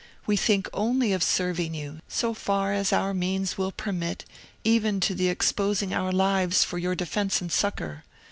We think only of serving you, so far as our means will permit, even to the exposing our lives for your defence and succour.